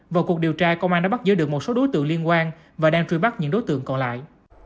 vào cuộc điều tra công an đã bắt giữ được một số đối tượng liên quan và đang truy bắt những đối tượng còn lại